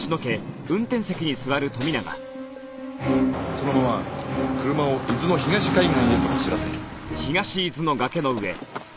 そのまま車を伊豆の東海岸へと走らせ。